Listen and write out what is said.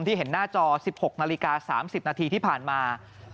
ที่เห็นหน้าจอ๑๖นาฬิกา๓๐นาทีที่ผ่านมา